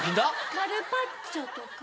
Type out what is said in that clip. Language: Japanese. カルパッチョとか。